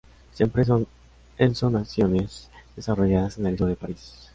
Siempre son ensoñaciones desarrolladas en el estudio de París.